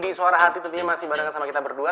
di suara hati tentunya masih bareng sama kita berdua